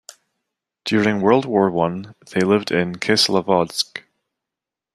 During World War One they lived in Kislovodsk.